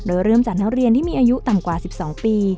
โดยเริ่มจากนักเรียนที่มีอายุต่ำกว่า๑๒ปี